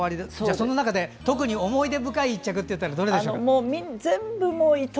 その中で特に思い出深い１着はどれでしょうか？